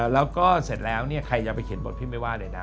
แล้วก็เสร็จแล้วเนี่ยใครจะไปเขียนบทพี่ไม่ว่าเลยนะ